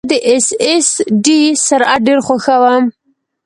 زه د ایس ایس ډي سرعت ډېر خوښوم.